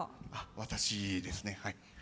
私ですね。